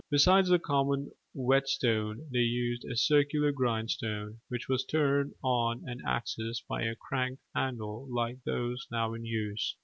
Besides the common whetstone they used a circular grindstone, which was turned on an axis by a cranked handle like those now in use.